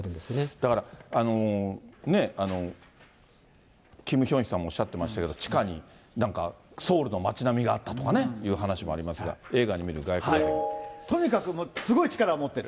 だから、キム・ヒョンヒさんもおっしゃってましたけど、地下になんかソウルの街並みがあったとかね、いう話もありましたが、とにかくすごい力を持ってる。